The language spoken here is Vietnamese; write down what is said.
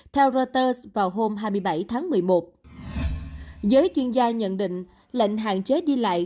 theo reuters vào hôm hai mươi bảy tháng một mươi một giới chuyên gia nhận định lệnh hạn chế đi lại